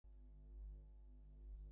Best friend আর mentor.